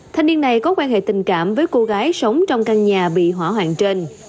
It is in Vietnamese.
thanh niên này có quan hệ tình cảm với cô gái sống trong căn nhà bị hỏa hoạn trên